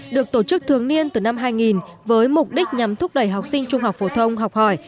được tổ chức thường niên từ năm hai nghìn với mục đích nhằm thúc đẩy học sinh trung học phổ thông học hỏi